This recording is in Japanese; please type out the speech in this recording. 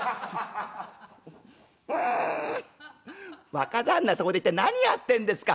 「若旦那そこで一体何やってんですか」。